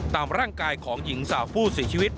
ตามร่างกายของหญิงสาวผู้เสียชีวิต